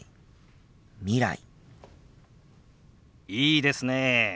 いいですねえ。